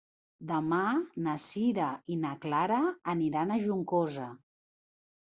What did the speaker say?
Demà na Sira i na Clara aniran a Juncosa.